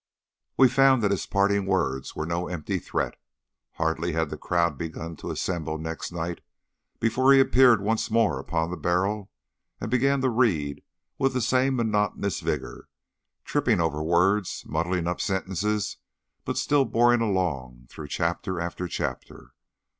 We found that his parting words were no empty threat. Hardly had the crowd begun to assemble next night before he appeared once more upon the barrel and began to read with the same monotonous vigour, tripping over words! muddling up sentences, but still boring along through chapter after chapter.